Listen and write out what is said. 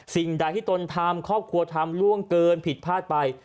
สิ่งใดที่ตนทำครอบครัวทำล่วงเกินผิดพลาดไป